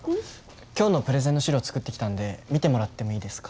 今日のプレゼンの資料作ってきたんで見てもらってもいいですか？